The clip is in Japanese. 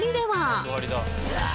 うわ。